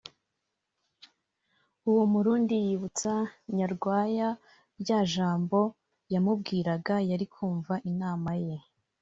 uwo murundi yibutsa Nyarwaya rya jambo yamubwiraga yari kumva inama ye